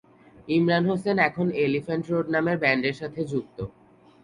ইমরান হোসেন এখন Elephant Road নামের ব্যান্ডের সাথে যুক্ত।